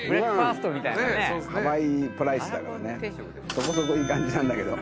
そこそこいい感じなんだけど。